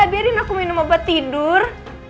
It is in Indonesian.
biarin aku minum obat tidur